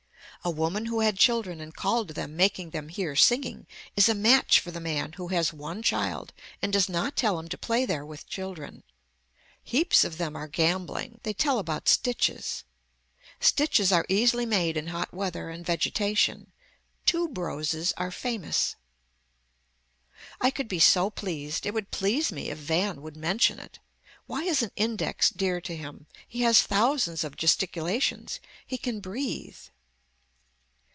A woman who had children and called to them making them hear singing is a match for the man who has one child and does not tell him to play there with children. Heaps of them are gambling. They tell about stitches. Stitches are easily made in hot weather and vegetation. Tube roses are famous. I could be so pleased. It would please me if Van would mention it. Why is an index dear to him. He has thousands of gesticulations. He can breathe.